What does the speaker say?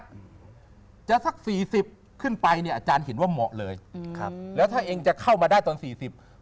อืมจะสักสี่สิบขึ้นไปเนี่ยอาจารย์เห็นว่าเหมาะเลยอืมครับแล้วถ้าเองจะเข้ามาได้ตอนสี่สิบ